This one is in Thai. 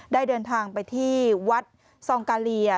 ได้เดินทางไปที่วัดซองกาเลีย